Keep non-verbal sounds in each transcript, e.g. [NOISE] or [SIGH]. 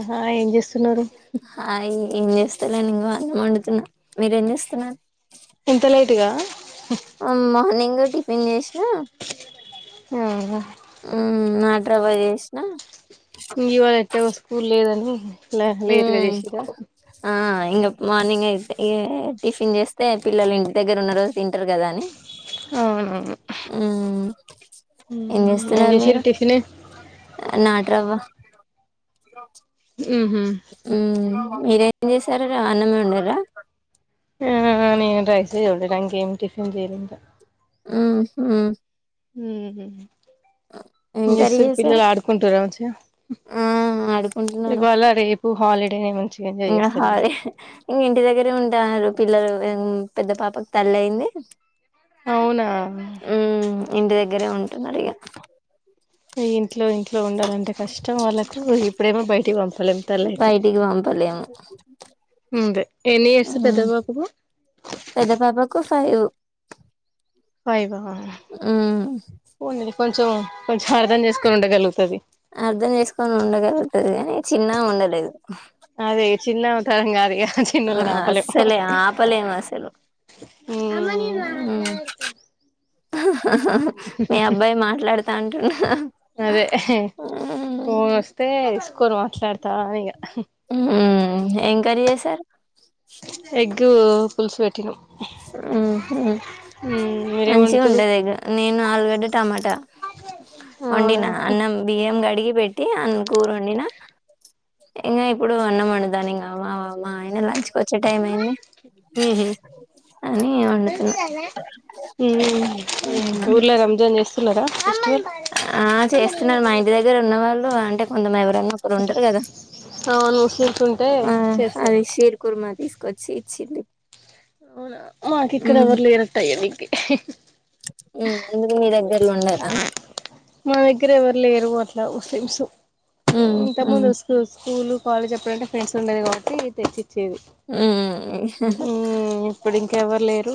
ఆహా ఏం చేస్తున్నారు హాయ్ ఏం చేస్తలేను ఇంకా వండుతున్నా మీరేం చేస్తున్నారు ఇంత లేటుగా ఆ మార్నింగ్ టిఫిన్ చేసిన హలుగా ఉ నాడ్రవ జేష్ణ ఇవాళ ఎట్టగో స్కూల్ లేదని లే లేటుగా ఉమ్ చేసిరా ఆ ఇంక మార్నింగ్ అయితే ఏ టిఫిన్ చేస్తే పిల్లలు ఇంటి దగ్గర ఉన్న రోజు తింటరు కదా అని అవును ఊ ఏం చేస్తున్నారు చేసిరు మీరు టిఫిన్ నాట్రవ్వ శ్రీరామ్ ఉహు మీరేం చేసారు రా అన్నమే వండరా ఆ నేను రైసే వండిన ఇంకెమ్ టిఫిన్ చేయలే ఇంకా ఉహు ఉహ్ ఏం ఏం కర్రీ చేసురు చేశారు పిల్లలు ఆడుకుంటురామంచా ఆ ఇవాళ రేపు హాలిడేనే మంచి ఆహ్ అదే ఇంగ ఇంటి దగ్గరే ఉంటన్నారు పిల్లలు ఉహ్ పెద్ద పాపకి తల్లయింది అవునా ఉమ్ ఇంటి దగ్గరే ఉంటున్నారిగా ఏం ఇంట్లో ఇంట్లో ఉండాలంటే కష్టం వాళ్ళకు ఇప్పుడేమో బయటిక్ పంపలేం తలైయితే బయటికి పంపలేము అంతే ఎన్ని ఇయర్స్ పెద్ద ఉమ్ పాపకు పెద్ద పాపకు ఫైవ్ ఫైవ్ మ్ కొంచెం కొంచెం అర్థం చేసుకొని ఉండగలగుతది అర్ధం చేసుకొని ఉండగలుగుతది కాని చిన్నమే ఉండలేదు. అదే చిన్నమే తరం కాదు ఇగ చిన్నోళ్ళని అస్స్ లే ఆపలేమ అసలు మ్ హ హ మీ అబ్బాయి మాట్లాడ్తా అంటుండు. అదే ఫోన్ వస్తే ఎస్కోన్ మాట్లాడ్తా ఇగ మ్ ఏం కర్రీ చేసార్ ఎగ్గూ పులసు వెట్టినం. మ్ హ్ మీరేం వండుతుర్రు మంచిగుంటది ఎగ్ నేను ఆలుగడ్డ టమాట అవునా వండిన అన్నం బియ్యం గడిగి పెట్ టి అన్ కూర వొండిన ఇంగ ఇప్పుడు అన్నం వొండుతాన్న ఇంగ మా ఆయన లంచ్ వొచ్చే టైం అయింది. అని వండుతున్నా మ్ ఊర్ల రంజాన్ చేస్ ఆ చేస్తున్నరు మా ఇంటి దగ్గర ఉన్నవాళ్ళు అంటే కొంత ఎవరు రన్న ఒకరు ఉంటరు కదా అవును ముస్లిమ్స్ ఉంటే ఆ చేస్తారు అది శిర్ కుర్మా తీస్ కొచ్చి ఇచ్చింది. అవునా మాకిక్కడ మ్మ్ ఎవర్ లేర్ అట్ట ఇయ్యనీకి ఎందుకు మీ దగ్గరలో ఉండరా మా దగ్గర ఎవర్ లేరు అట్లా ముస్లిమ్స్ మ్మ్ ఇంతకు ముందు మ్మ్ స్కూల్స్ స్కూల్, కాలేజ్ అప్పుడంటే ఫ్రెండ్స్ ఉండేది కాబట్టి తెచ్చి మ్ మ్ ఇప్పుడింకెవర్ లేరు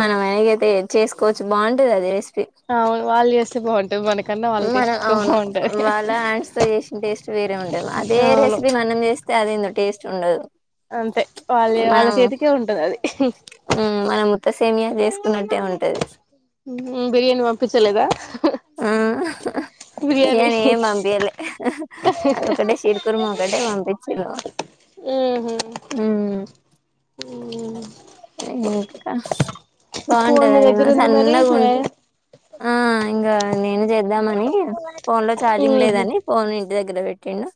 మనం వెనగైతే చేస్కోవచ్చు బాగుంటదది రెస్ అవున్ వాల్ చేస్తే బాగుంటది మనక్ మన అవును వాళ్ళ హ్యాండ్స్తో చేసిన టేస్ట్ వేరే ఉంటది. అదే అవును రెస్పీ మనం చేస్ స్తే అదేందో టేస్ట్ ఉండదు. అంతే వాళ్ళ వాళ్ళ మనం చేతికే ఉంటది అది మ్ మనం త్త సేమియా చేస్కున్నట్టే ఉం బిర్యానీ పంపిచలేదా ఆ బిర్యానీ ఏం పంపియ్యలే అదొకటే షిర్ కుర్మ ఒకటే పంపిచ్చింరు. మ్ మ్ ఇంకా ఫోన్ మీ బాగుంటదది దగ్గర మా ఉంది మరి మే సన్నగుంట ఆ ఇంగ నేను చేద్దామని ఫోన్లో ఛార్జింగ్ మ్మ్ లేదని ఫోన్ ఇంటి దగ్గర వెట్ ట్టిండు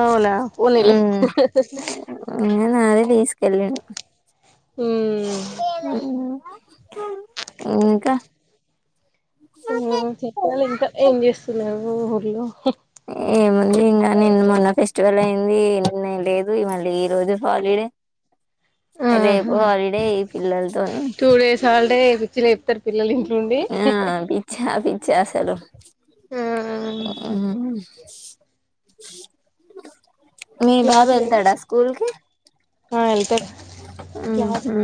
అవునా పోనీలే మ్ ఆ నాదే తీస్కెళ్ళిన్ మ్.... మ్ ఇంకా చెప్పాలి ఇంకా ఏం చేస్తున్నావు ఊర్లో ఏముంది ఇంగ నిన్న, మొన్న ఫెస్టివల్ అయింది నిన్న లేదు ఇవాళ ఈ రోజు హాలిడే మ్మ్ రేపు హ్మ్ హాలిడే ఈ పిల్లల్తోని బిచ్చి లేప్తర్ పిల్లల్ ఇంట్లుండి. చేశారు. మ్ మీ బాబ్ క్లాత్ లేవు ఎల్తాడా స్కూల్కి ఆ వెళ్తారు అ క్లాత్ హ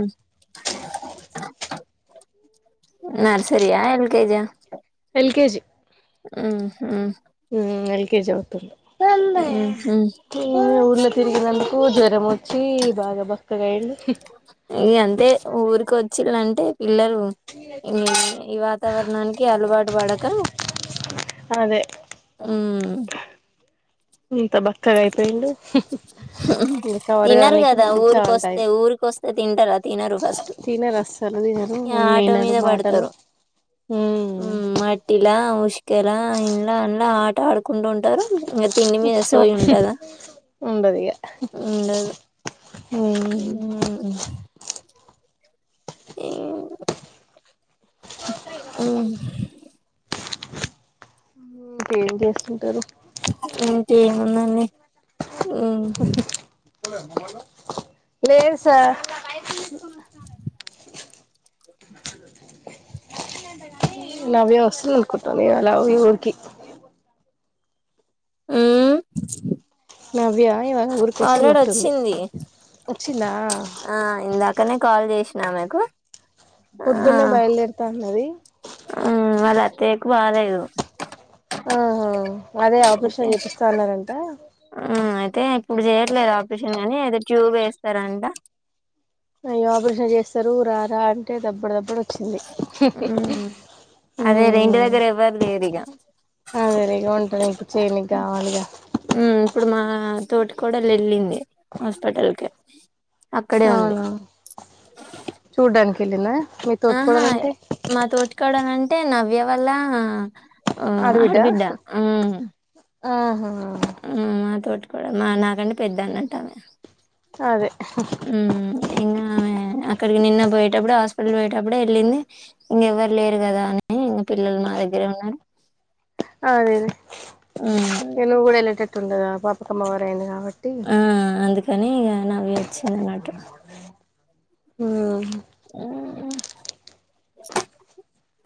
నర్సరీయ యల్ కే జ ఎల్కెజి ఆ హ హుమ ఎల్కెజి అవుతుందో మ్ హ్ తిరిగిరండి. కు జ్వరం వచ్చి బాగా బక్కగయ్యిండు. ఇగ అంతే ఊరికి వచ్చిలంటే పిల్లలు ఈ ఈ వాతావర్ణానికి అలవాటు పడక అదే ఉమ్ ఇంత బక్కగయి పోయిండు హుహు ఉహ్ తినరు కదా టైం ఊరికొస్తే ఊరికొస్తే తింటారా తినరు ఫస్టు తినరు అస్సలు తినరు య ఆట వినరు మీద మాటలు పడతరు మ్మ్ హ్మ్ మట్టిలా ఒ చికెలా ఇంల అంల ఆట ఆడుకుండ ఉంటరు. ఇంగ తిండి మీద సోయి ఉంటదా. ఉండదిగా ఉండదు. హ్మ్ ఇన్ ఇంకేం చేస్తుంటరు? ఇంకేం ఎం అనాలి ఉమ్ లే సార్ నవ్య వస్తుందనుకుంటున ఇయాల మీ ఊరికి ఊ నవ్యా ఎవ ఆల్రెడీ వచ్చింది వచ్చిందా ఆ ఇందాకనే కాల్ చేసి నామేకు పొద్దున్నే బయలుదేరుతాన్నది హ్మ్. వాళ్ళ అత్తయ్యకు బాలేదు. ఆహా అదే అయితే ఆపరేషన్ చేపిస్తా అన్నరంట. తే ఇప్పుడు చేయట్లేదు ఆపరేషన్ గాని, ఏదో ట్యూబ్ వేస్తరంట. అయ్యో ఆపరేషన్ చేస్తరు రారా అంటే దబ్బడు దబ్బడు హ్మ్. అదే రే ఇంటి ఉమ్ దగ్గర ఎవ్వరు లేరిగ. ఆ రిగా ఉంటది చేయనికి కావాలిగా ఉమ్ ఇప్పుడు మా తోటి కోడలు వెళ్ళింది హాస్పటల్ కి అక్కడే ఉంది అవునా చూడ్డానికి వెల్లిందా? ఆహా మా తోటికోడలంటే నవ్య వాళ్ల ఆ ఆడబిడ్డ ఉమ్ ఆహా ఆ మా తోటికోడలు నాకంటే పెద్దాన్నంటామే. అదే ఉమ్ ఇంగావె అక్కడికి నిన్న పోయేటప్పుడు హాస్పిటల్ పోయేటప్పుడు వెళ్ళింది ఇంగ ఎవ్వరు లేరు. కదా అని ఇంక పిల్లలు మా దగ్గరే ఉన్నారు. అదేలే ఉమ్ ఇగ నువు గూడ ఎల్లేటట్టుండదు ఆ బాపకమ్మ ఓవరాయింది కావట్టి. ట్టీ అనీ ఇగ నవ్య వచ్చింది అనట్టు మ్ ఆహ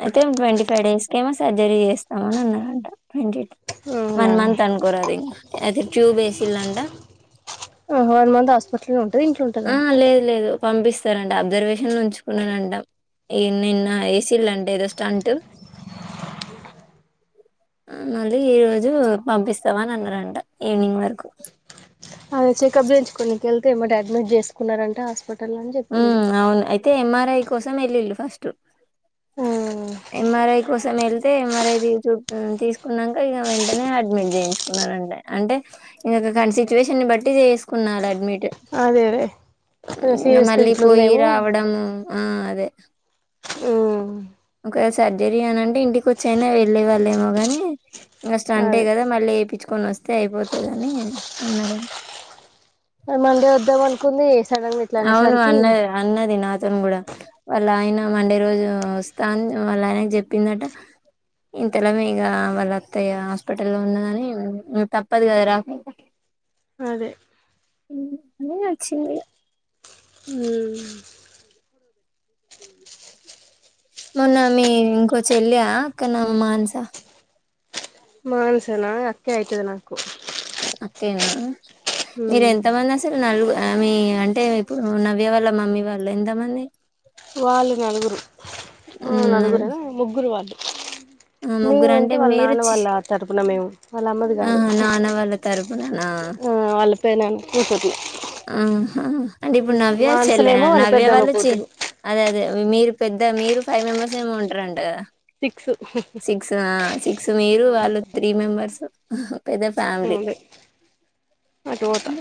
అయితే ట్వంటీ ఫైవ్ డేస్ కే ఏమో సర్జరీ చేస్తా అని అన్నారంట ట్వంటీ అవునా వన్ మంత్ అనుకోరాదే ఇంగ అయితే ట్యూబ్ వేసిలంట. ఓహో, వన్ మంత్ హాస్పిటల్లో ఉంటది ఇంట్లో ఉంటదా ఆ లేదు లేదు పంపిస్తారంట అబ్జర్వేషన్ల ఉంచుకున్నరంట. ఎ నిన్న ఏసీల్లంట ఏదో స్టంటూ మళ్ళీ ఈ రోజు పంపిస్తామని అన్నరంట ఈవినింగ్ వరకు ఆమె చెకప్ చేయించుకోనికెళ్తే ఏమ్మటె అడ్మిట్ చేసుకున్నరంట హస్పెటల్ల అని చెప్పింది. తే ఎం. ఆర్. ఐ కోసం ఎల్లిళ్ళు ఫస్టు ఉమ్, ఎం. ఆర్. ఐ కోసం వెళ్తే ఎం. ఆర్. ఐ తీన్చు ఆ తీసుకున్నంక ఇగ వెంటనే అడ్మిట్ చేయించుకున్నరన్ అంటే ఇంక కానీ సిచ్యువేషన్ని బట్టి చేసుకున్నాల అడ్మిట్ అదే గదే రిస్క్ ఇంగా మళ్ళీ పోయి రావడము ఆ అదే ఊమ్ ఒక సర్జరీ అని అంటే ఇంటికి వచ్చైనా వెళ్ళే వాళ్ళేమో గాని ఇంక స్టంట్ ఏ అదే కదా మళ్ళీ ఏపిచుకొని అస్తే అయిపోతదని అన్నారంట మండే వద్దామనుకుందీ అవును అన్నది అన్నది నాతోని కూడా వాళ్ళ ఆయన మండే రోజు వస్తా అని వాళ్ళ ఆయనకి చెప్పిందట ఇంతలోమే ఇంగ వాళ్ళ అత్తయ్య హాస్పిటల్లో ఉన్నదని నిక్ తప్పదు కదా రాకుంటే అదే ఉమ్ అన్ని నచ్చింది ఉమ్, మొన్న మీ ఇంకో చెల్లి ఆ అక్క నా మాన్స మానస నా అక్కే అయితది నాకు అక్కేనా మీర్ ఉమ్, ఎంత మంది అసలు నలుగ్ ఆమే అంటే ఇప్పుడు నవ్య వాళ్ళ మమ్మీ వాళ్ళు ఎంతమంది? వాళ్ళు నలుగురు ఆ ఉమ్ నల్ నలుగురేనా ముగ్గురు వాళ్ళు ఆ ముగ్గురు అంటే మేమంటే వాళ్ళ మీరు నాన్న చి వాళ్ళ తరపున మేము వాళ్ళ అమ్మది కాదు ఆహా నాన్న వాళ్ళ తరపున నా ఆ పెదనాన్న కూతుర్లు ఆహా అంటే ఇప్పుడు నవ్య చెల్లె ఆ వానసనేమో నవ్య పెద్దమ్మ వాళ్ళ చి కూతురు అదే అదే మీరు పెద్ద మీరు ఫైవ్ మెంబర్స్ ఏమో ఉంటారంట కదా? సిక్స్ సిక్స్ ఆ సిక్స్ మీరు వాళ్ళు త్రీ మెంబర్స్ ఆహ్ పెద ఫ్యామిలీ ఉంది అటు పోతా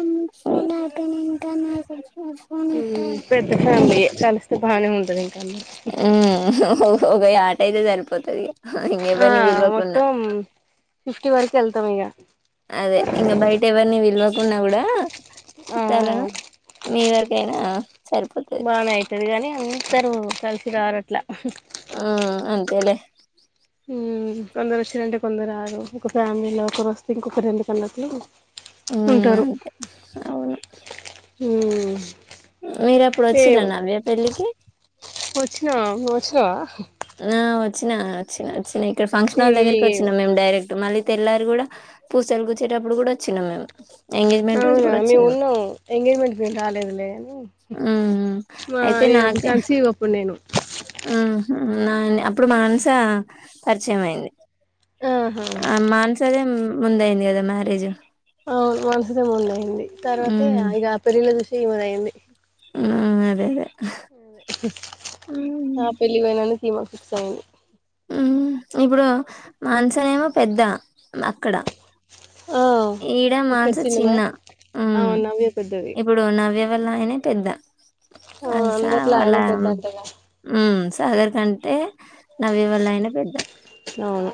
ఉమ్ [INAUDIBLE] సౌండ్ ఆపేను ఇంకా నాకు ఫోన్ ఇత్తవా ఉమ్ పెద్ద ఫ్యామిలీయే కలిస్తే బానే ఉంటది ఇంక ఉమ్ ఓహ్ హొ హో ఒక యాట ఐతే సరిపోతది ఇగ ఆ ఇంకెవరిని పిలవకున్నా మొత్తం ఫిఫ్టీ వరకు ఎళ్తం ఇగ అదే ఇంగ బయట ఎవరిని విల్వకున్నా కూడా ఆ చుట్టాలా మీవ అదేనా బానే అయితది కానీ అంతరు కలిసి రారు అట్ల ఉహ్ ఆ అంతేలే హ్ ఉమ్ కొందరు వచ్చారంటే కొందరు రారు ఒక ఫ్యామిలీలో ఒకరు వస్తే ఇంకొరు ఎందుకు అన్నట్లు ఉమ్ ఉంటారు అంతే అహ్ అవును ఉమ్మ్ మీరు ఎప్పుడు అచిర్ర నవ్య పెళ్లికి ఛ ఉహ్ ఆ వచ్చినా వచ్చినా వచ్చినా ఇక్కడ ఫంక్షన్హాల్ దగ్గరికి ఏమో వచ్చినం మేము డైరెక్ట్ మళ్ళీ తెల్లారి కూడా పూసలు గుచ్చేటప్పుడు కూడా వచ్చినాం మేము ఎంగేజ్మెంట్ రోజు అవునా కూడా మేము వచ్చినాం ఉన్నాం ఎంగేజ్మెంటికి మేమ్ రాలేదులే అని మ్మ్ మా అయితే నేనప్పుడు నాకే కాన్సీవ్ అప్పుడు నేను మ్మ్ అప్పుడు మాన్సా పరిచయం అయింది. ఆహా ఆ మాన్సాదే ముందుయింది కదా మ్యారేజ్ అవును మన్సాదే ముందు అయింది తర్వాత మ్మ్ ఆ ఇగ పెళ్ళిలో చూశే ఈమదయింది ఉమ్మ్ అదే లె ఆ అదె హి హ్ ఆ పెళ్ళికి పోయినందుకె ఈమకు ఫిక్స్ అయింది. ఉమ్ ఇప్పుడు మాన్సాఏమో పెద్ద అక్కడ ఆ ఈడ ఇక్కడ మాన్సా చిన్నదా చిన్న ఉమ్ ఆమె నవ్య పెద్దది ఇప్పుడు నవ్య నవ్య వాళ్ళ ఆయనే పెద్ద ఆ అందరిలో ఆయనే [UNINTELLIGIBLE] పెద్దంటగా ఉమ్ సాగర్ కంటే నవ్య వాళ్ళ నాయిన ఎ పెద్ద అవును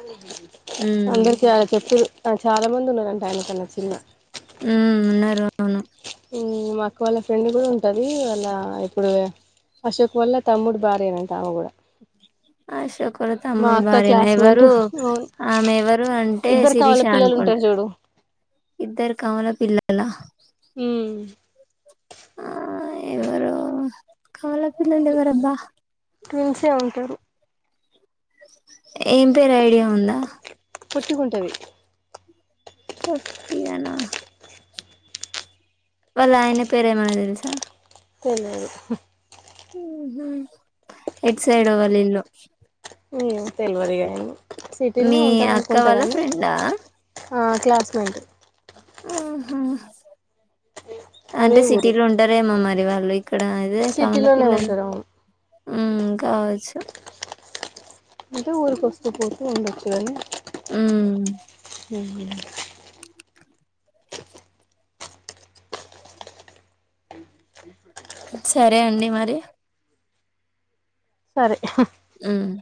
హ్మ్ అందరికే అ చేప్పేరు చాలా మంది ఉన్నారంట ఆయనకన్న చిన్న ఉమ్మ్ ఉన్నారు అవును ఉమ్మ్ మాక్క వాళ్ళ ఫ్రెండ్ గూడ ఉంటది వాళ్ళ ఇప్పుడు ఆ అశోక్ వల్ల తమ్ముడు భార్యేనంట ఆమ గూడ అశోకోల తమ్ముడు భార్యిన క్లాస్మేట్ ఎవరు అవును ఆమెవరు అంటే షిరిష అనుకో ఉంటది జూడు ఇద్దరు కవల పిల్లల మ్మ్ ఆ ఎవరు కవల ట్విన్సె ఉంటరు ఏం పేరు ఐడియా ఉందా పోట్టిగుంటది పొట్టిగనా వాళ్ళ ఆయన పేరేమైన దేలసా తెల్వదు ఉహు ఎట్ సైడో వల్లీఇల్లు ఏమో తెల్వదిగా మీ సిటీల్నే అక్క ఉంటారనుకుంటా వాళ్ళ గాని ఫ్రెండా ఆ క్లాస్మేటు ఆహ అంటే అదే ఊరు సిటీలో ఉంటారేమో మరి వాళ్ ఇక్కడ అదే కవల సిటీలోనే పిల్లలు ఉంటారు అవును మ్ కావచ్చు ఇంకా ఊరుక ఓస్తూ పోతూ ఉండొచ్చు గద్నే మ్మ్ సరే అండి మరి సరే హు మ్మ్